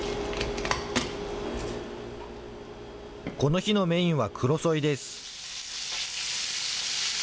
この日のメインはクロソイです。